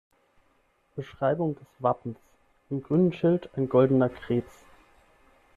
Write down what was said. Beschreibung des Wappens: Im grünen Schild ein goldener Krebs.